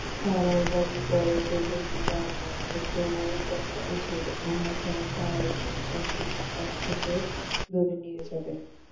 তারাও দাবি করে যে জমিদারদের দেনা দেওয়া উচিত, অন্যথায় তারা জমি চাষীদের কাছ থেকে দূরে নিয়ে যাবে।